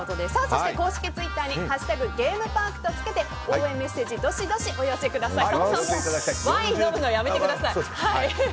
そして公式ツイッターに「＃ゲームパーク」とつけて応援メッセージどしどしお寄せください。